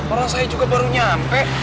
orang saya juga baru nyampe